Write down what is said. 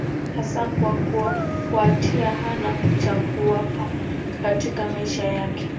Hasa kwa kufuatia hana cha kuwapa katika maisha yake.